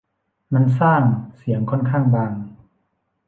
มันสร้างเสียงค่อนข้างบาง